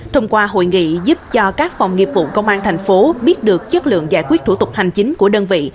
thông qua hội nghị giúp cho các phòng nghiệp vụ công an thành phố biết được chất lượng giải quyết thủ tục hành chính của đơn vị